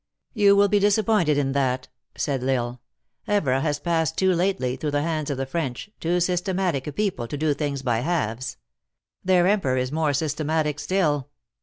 "You will be disappointed in that," said L Isle. "Evora has passed too lately through the hands of the French, too systematic a people to do things by halves. Their emperor is more systematic still.